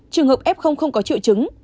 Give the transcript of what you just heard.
trường hợp f không có triệu chứng